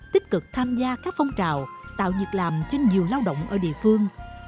tích cực tham gia các phong trào tạo nhiệt làm trên nhiều lao động ở địa phương